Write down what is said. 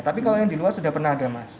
tapi kalau yang di luar sudah pernah ada mas